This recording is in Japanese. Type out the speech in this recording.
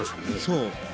そう。